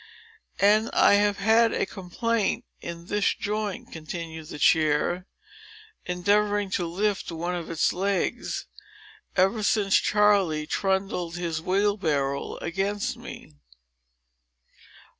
"And I have had a complaint in this joint," continued the chair, endeavoring to lift one of its legs, "ever since Charley trundled his wheelbarrow against me."